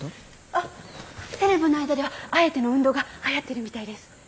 あっセレブの間ではあえての運動がはやってるみたいです。